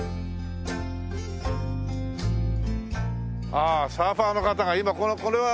ああサーファーの方が今これは。